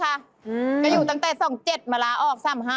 ก็อยู่ตั้งแต่๒๗มาลาออก๓๕